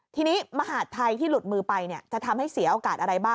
ทีนี้มหาดไทยที่หลุดมือไปจะทำให้เสียโอกาสอะไรบ้าง